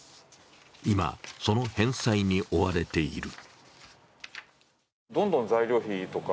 今、その返済に追われている。